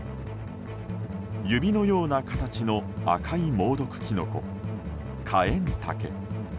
指のような形の赤い猛毒キノコ、カエンタケ。